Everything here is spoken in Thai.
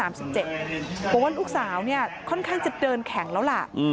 เพราะว่าลูกสาวเนี่ยค่อนข้างจะเดินแข็งแล้วล่ะ